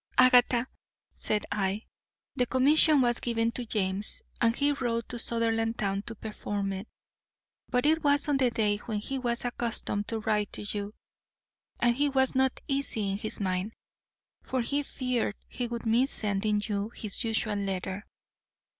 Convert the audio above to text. "Agatha," said I, "the commission was given to James and he rode to Sutherlandtown to perform it. But it was on the day when he was accustomed to write to you, and he was not easy in his mind, for he feared he would miss sending you his usual letter.